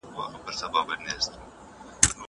دا ځواب له هغه روښانه دی!!